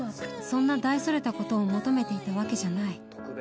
そんな大それたことを求めていたわけじゃない。